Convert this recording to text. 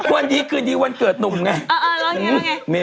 วันคืดี้วันเกิดนุ่มไง